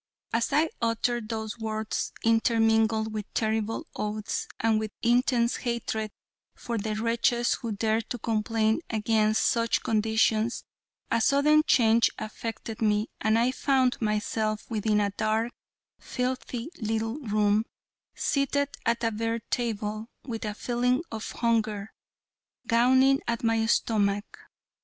As I uttered those words, intermingled with terrible oaths, and with intense hatred for the wretches who dared to complain against such conditions a sudden change affected me and I found myself within a dark, filthy little room, seated at a bare table, with a feeling of hunger gnawing at my stomach.